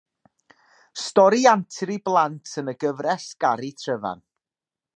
Stori antur i blant yn y gyfres Gari Tryfan.